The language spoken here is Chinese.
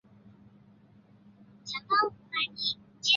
主任苏智良教授及其团队